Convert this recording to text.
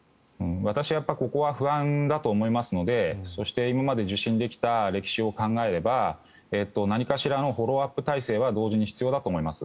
私はここは不安だと思いますのでそして、今まで受診できた歴史を考えれば何かしらのフォローアップ体制は同時に必要だと思います。